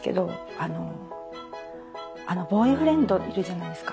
あのあのボーイフレンドいるじゃないですか。